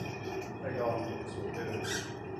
พยอม หนูสูงเนิน